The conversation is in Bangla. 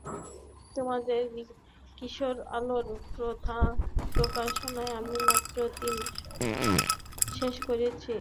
তোমাদের কিশোর আলোর প্রকাশনায় আমি মাত্র তিন শব্দে বক্তৃতা শেষ করেছি।